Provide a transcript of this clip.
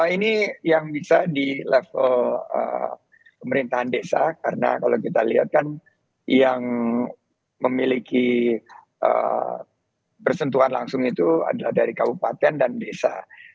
ini yang bisa di level pemerintahan desa karena kalau kita lihat kan yang memiliki bersentuhan langsung itu adalah dari kabupaten dan desa